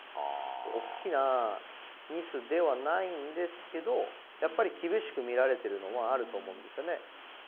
大きなミスではないんですけど、やっぱり厳しく見られてるのもあると思うんですよね。